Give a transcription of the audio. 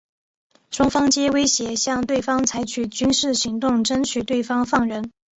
双方皆威胁向对方采取军事行动争取对方放人。